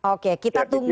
oke kita tunggu